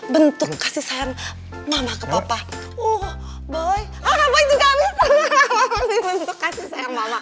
bentuk kasih sayang mama ke papa uh boy apa itu kamu hahaha bentuk kasih sayang mama